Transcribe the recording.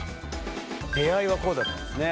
出会いはこうだったんですね。